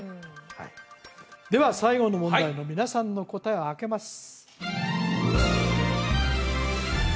はいでは最後の問題の皆さんの答えをあけます